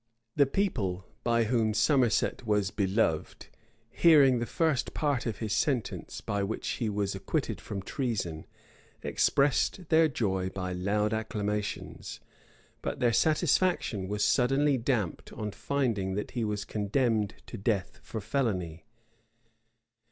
The people, by whom Somerset was beloved, hearing the first part of his sentence, by which he was acquitted from treason, expressed their joy by loud acclamations: but their satisfaction was suddenly damped on finding that he was condemned to death for felony.